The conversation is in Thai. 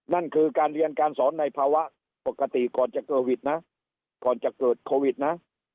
นั่นคือการเรียนการสอนในภาวะปกติก่อนจะเกิดโควิดนะ